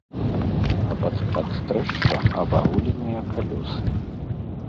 А пад падстрэшшам абагуленыя калёсы.